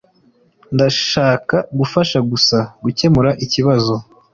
Ndashaka gufasha gusa gukemura ikibazo.